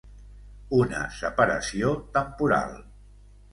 Una separació temporal.